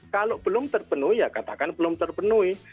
kalau belum terpenuh ya katakan belum terpenuhi